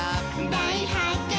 「だいはっけん」